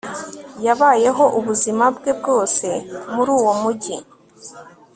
Yabayeho ubuzima bwe bwose muri uwo mujyi